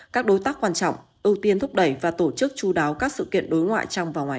các đối tác quan trọng ưu tiên thúc đẩy và tổ chức chú đáo các sự kiện đối ngoại trong và ngoài